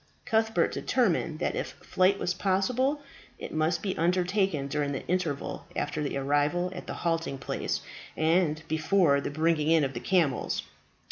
Cuthbert determined that if flight was possible it must be undertaken during the interval after the arrival at the halting place and before the bringing in of the camels.